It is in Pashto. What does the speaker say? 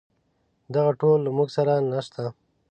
دغه ټول له موږ سره نشته.